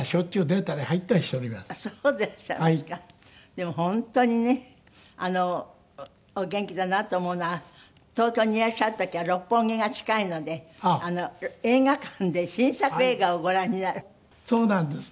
でも本当にねお元気だなと思うのは東京にいらっしゃる時は六本木が近いので映画館で新作映画をご覧になる。そうなんです。